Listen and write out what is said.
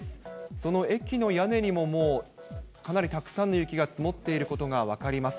その駅の屋根にも、もうかなりたくさんの雪が積もっていることが分かります。